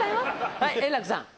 はい円楽さん。